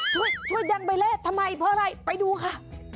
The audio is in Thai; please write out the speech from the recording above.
ช่วยดังใบแรกทำไมเพราะอะไรไปดูค่ะ